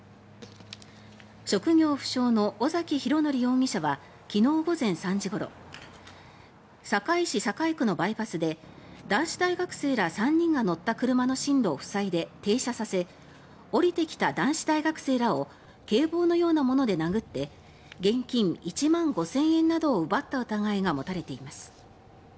職業不詳の尾崎博典容疑者は昨日午前３時ごろ堺市堺区のバイパスで男子大学生ら３人が乗った車の進路を塞いで停車させ降りてきた男子大学生らを警棒のようなもので殴って現金１万５０００円などを奪った疑いが持たれています。